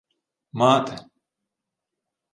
— Мати...